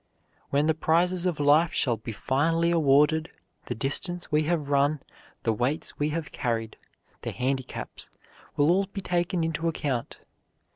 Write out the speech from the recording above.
When the prizes of life shall be finally awarded, the distance we have run, the weights we have carried, the handicaps, will all be taken into account.